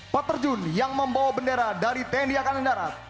peterjun yang membawa bendera dari tni angkatan darat